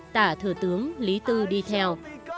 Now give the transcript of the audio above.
tả thừa tướng lý tư đi theo